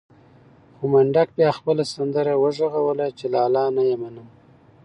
خو منډک بيا خپله سندره وغږوله چې لالا نه يې منم.